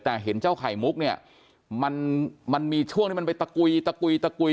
แต่เห็นเจ้าไข่มุกมันมีช่วงที่มันไปตะกุย